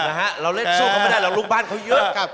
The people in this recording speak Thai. นะฮะเราเล่นสู้เขาไม่ได้หรอกลูกบ้านเขาเยอะ